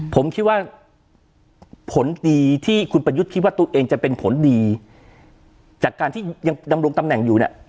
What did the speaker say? ผมคิดว่าผลดีที่คุณประยุทธ์คิดว่าตัวเองจะเป็นผลดีจากการที่ยังดำรงตำแหน่งอยู่เนี่ย